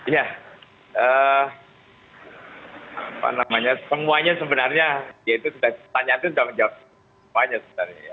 ya apa namanya semuanya sebenarnya ya itu sudah tanya itu sudah menjawab semuanya sebenarnya